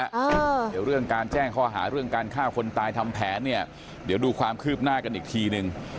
เดี๋ยวเรื่องการแจ้งข้อหาเรื่องการฆ่าคนตายทำแผนเนี่ยเดี๋ยวดูความคืบหน้ากันอีกทีนึง